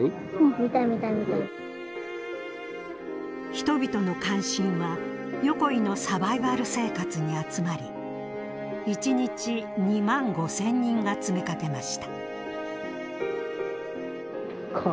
人々の関心は横井のサバイバル生活に集まり１日２万５，０００人が詰めかけました。